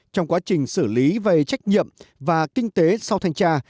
trong quá trình xử lý về trách nhiệm và kinh tế sau thanh tra